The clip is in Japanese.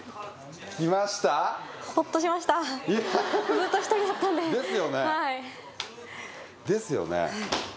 ずっと１人だったんでですよねはいですよね